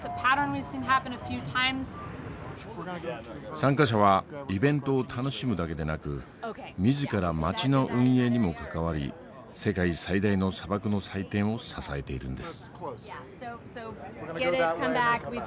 参加者はイベントを楽しむだけでなく自ら街の運営にも関わり世界最大の砂漠の祭典を支えているんです。